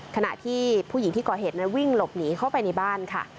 ขณะที่ผู้หญิงที่ก่อเหตุนั้นวิ่งหลบหนีเข้าไปในบ้านค่ะ